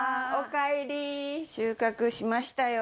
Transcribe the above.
財前：収穫しましたよ。